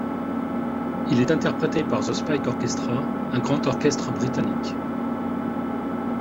Il est interprété par The Spike Orchestra, un grand orchestre britannique.